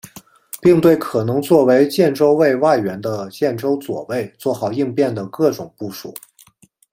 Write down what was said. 并对可能作为建州卫外援的建州左卫作好应变的各种部署。